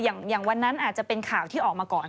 อย่างวันนั้นอาจจะเป็นข่าวที่ออกมาก่อน